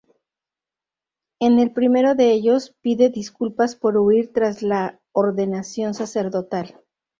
En el primero de ellos pide disculpas por huir tras la ordenación sacerdotal.